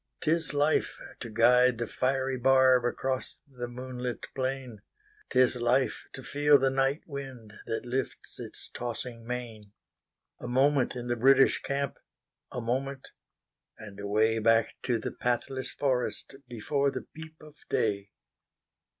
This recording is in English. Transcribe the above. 'T is life to guide the fiery barbAcross the moonlit plain;'T is life to feel the night windThat lifts his tossing mane.A moment in the British camp—A moment—and awayBack to the pathless forest, Before the peep of day.